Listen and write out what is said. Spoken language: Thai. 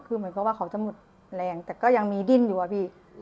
คือเหมือนกับว่าเขาจะหมดแรงแต่ก็ยังมีดิ้นอยู่อะพี่